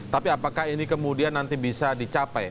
tapi apakah ini kemudian nanti bisa dicapai